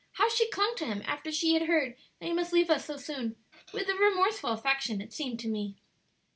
How she clung to him after she had heard that he must leave us so soon, with a remorseful affection, it seemed to me."